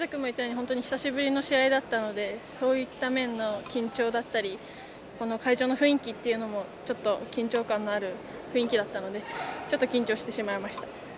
本当に久しぶりの試合だったのでそういった面の緊張だったり会場の雰囲気も緊張感のある雰囲気だったのでちょっと緊張してしまいました。